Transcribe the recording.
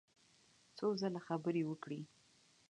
څو ځله خبرې وکړې.